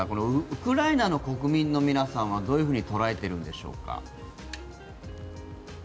ウクライナの国民の皆さんはどういうふうに捉えているのでしょうか。